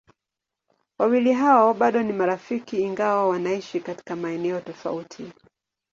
Wawili hao bado ni marafiki ingawa wanaishi katika maeneo tofauti.